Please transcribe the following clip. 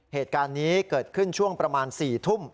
เหตุการณ์นี้เกิดขึ้นช่วงประมาณ๔ทุ่ม